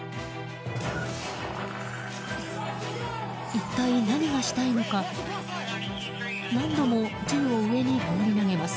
一体何がしたいのか何度も銃を上に放り投げます。